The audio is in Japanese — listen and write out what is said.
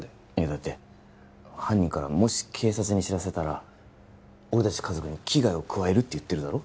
だって犯人からもし警察に知らせたら俺達家族に危害を加えるって言ってるだろ